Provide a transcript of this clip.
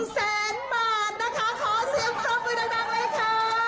แสนบาทนะคะขอเสียงครบมือดังเลยค่ะ